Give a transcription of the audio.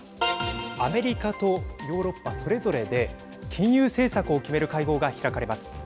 アメリカとヨーロッパそれぞれで金融政策を決める会合が開かれます。